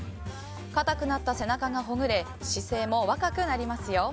硬くなった背中がほぐれ姿勢も若くなりますよ。